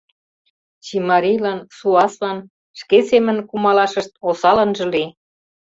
Чимарийлан, суаслан шке семын кумалашышт осал ынже лий.